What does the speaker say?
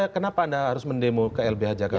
kenapa anda harus mendemo ke lbh jakarta